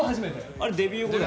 あれデビュー後だよね。